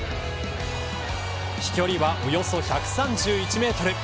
飛距離はおよそ１３１メートル。